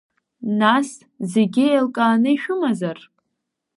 Нас, зегьы еилкааны ишәымазар…